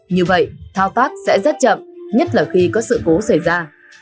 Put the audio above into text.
như vậy thao tác sẽ rất chậm nhất là khi có sự cố xảy ra